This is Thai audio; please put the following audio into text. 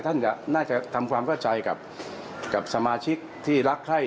ท่านน่าจะทำความเข้าใจกับสมาชิกที่รักไข้